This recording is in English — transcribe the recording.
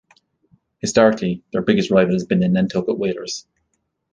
Historically, their biggest rival has been the Nantucket Whalers.